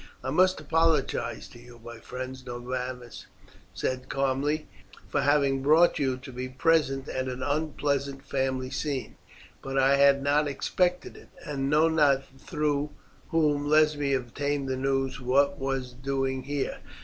"I must apologize to you, my friends," Norbanus said calmly, "for having brought you to be present at an unpleasant family scene, but I had not expected it, and know not through whom Lesbia obtained the news of what was doing here.